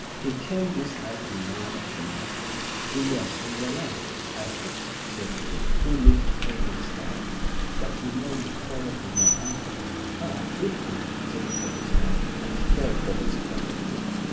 "He came this night and murdered the master." "Julius, it is a lie!" "I hope so," said Beryl, who looked pale and startled; "but you know you quarrelled with my uncle." "Ah, did he?" said the policeman, and felt for his pocket book.